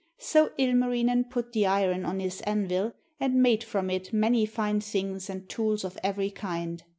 So Ilmarinen put the iron on his anvil, and made from it many fine things and tools of every kind.